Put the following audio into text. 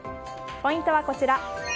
ポイントはこちら。